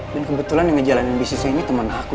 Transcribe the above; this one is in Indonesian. dan kebetulan yang ngejalanin bisnis ini temen aku